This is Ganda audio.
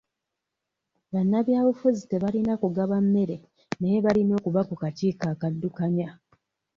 Bannabyabufuzi tebalina kugaba mmere naye balina okuba ku kakiiko akadduukanya.